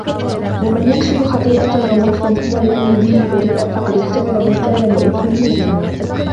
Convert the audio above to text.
وَمَنْ يَكْسِبْ خَطِيئَةً أَوْ إِثْمًا ثُمَّ يَرْمِ بِهِ بَرِيئًا فَقَدِ احْتَمَلَ بُهْتَانًا وَإِثْمًا مُبِينًا